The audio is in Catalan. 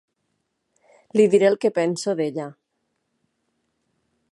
Li diré el que penso d'ella!